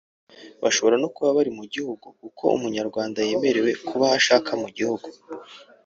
bashobora no kuba bari mu gihugu kuko Umunyarwanda yemerewe kuba aho ashaka mu gihugu